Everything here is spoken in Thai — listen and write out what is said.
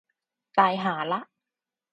ตายห่าละ